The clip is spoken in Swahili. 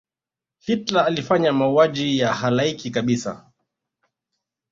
hitler alifanya mauaji ya halaiki kabisa